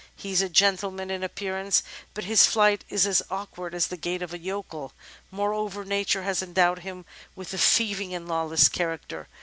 He is a gentleman in appear ance, but his flight is as awkward as the gait of a yokel. More over, Nature has endowed him with a thieving and lawless character.